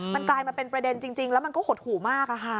มันกลายมาเป็นประเด็นจริงแล้วมันก็หดหูมากค่ะ